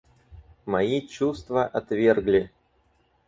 Мои чувства отвергли.